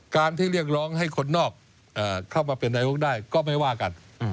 การที่เรียกร้องให้คนนอกเข้ามาเป็นนายกได้ก็ไม่ว่ากัน